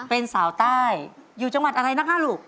เป็นสาวใต้อยู่จังหวัดอะไรนะคะลูก